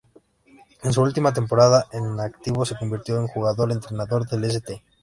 En su última temporada en activo, se convirtió en jugador-entrenador del St.